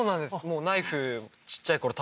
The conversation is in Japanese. もうナイフちっちゃいころ